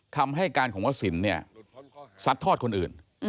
คำให้การของวสินเนี่ยซัดทอดคนอื่น